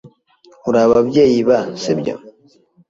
Uri ababyeyi ba , sibyo?